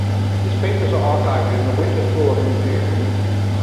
His papers are archived in the Winterthur Museum.